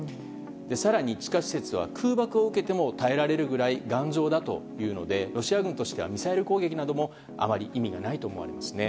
更に、地下施設は空爆を受けても耐えられるぐらい頑丈だというのでロシア軍としてはミサイル攻撃などもあまり意味がないと思われますね。